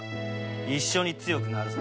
一緒に強くなるぞ。